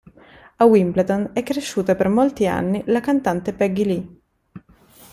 A Wimbledon è cresciuta per molti anni la cantante Peggy Lee.